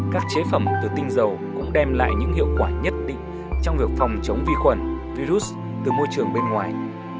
các chế phẩm từ tinh dầu cũng đem lại những hiệu quả nhất định trong việc phòng chống vi khuẩn virus từ môi trường bên ngoài